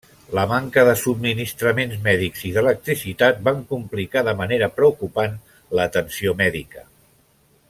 La manca de subministraments mèdics i d'electricitat van complicar de manera preocupant l'atenció mèdica.